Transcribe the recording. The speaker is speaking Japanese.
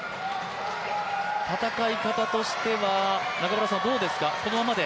戦い方としてはどうですか、このままで？